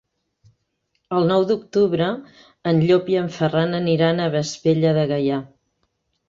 El nou d'octubre en Llop i en Ferran aniran a Vespella de Gaià.